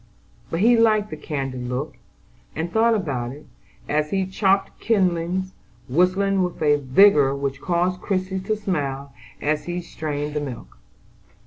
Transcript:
But he liked the candid look, and thought about it, as he chopped kindlings, whistling with a vigor which caused Christie to smile as she strained the milk.